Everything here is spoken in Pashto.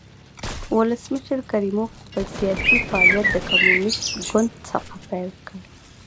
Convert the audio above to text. ولسمشر کریموف خپل سیاسي فعالیت د کمونېست ګوند څخه پیل کړ.